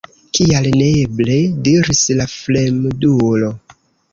Kial neeble? diris la fremdulo.